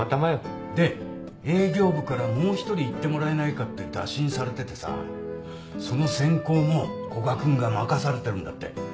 で営業部からもう１人行ってもらえないかって打診されててさその選考も古賀君が任されてるんだって。